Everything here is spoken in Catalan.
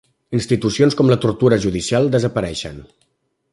Institucions com la tortura judicial desapareixen.